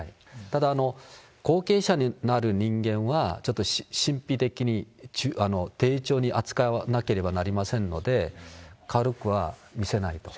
ただ、後継者になる人間は、ちょっと神秘的に丁重に扱わなければなりませんので、軽くは見せないと。